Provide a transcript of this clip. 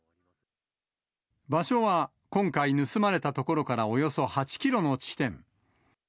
場所は今回、盗まれた所からおよそ８キロの地点。